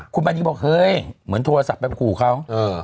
คุณบัญญิงบอกเฮ้ยเหมือนโทรศัพท์แบบขู่เขา